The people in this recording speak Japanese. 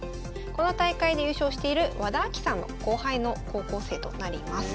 この大会で優勝している和田あきさんの後輩の高校生となります。